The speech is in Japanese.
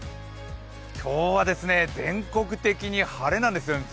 今日は全国的に晴れなんですよね。